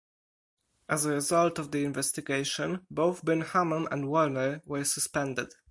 As a result of the investigation both Bin Hammam and Warner were suspended.